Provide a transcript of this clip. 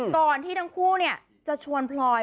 ก่อนที่ทั้งคู่เนี่ย